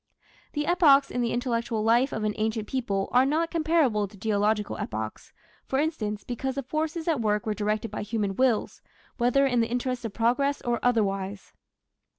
The epochs in the intellectual life of an ancient people are not comparable to geological epochs, for instance, because the forces at work were directed by human wills, whether in the interests of progress or otherwise.